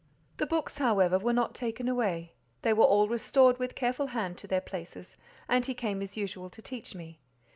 The books, however, were not taken away; they were all restored with careful hand to their places, and he came as usual to teach me.